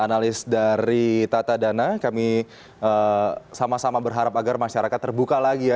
analis dari tata dana kami sama sama berharap agar masyarakat terbuka lagi ya